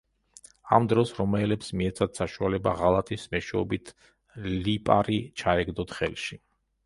ამ დროს რომაელებს მიეცათ საშუალება ღალატის მეშვეობით ლიპარი ჩაეგდოთ ხელში.